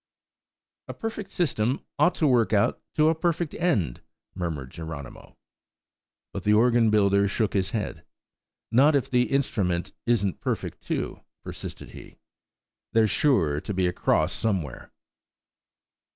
"A perfect system ought to work out a perfect end," murmured Geronimo. But the organ builder shook his head. "Not if the instrument isn't perfect too," persisted he; "there's sure to be a cross somewhere."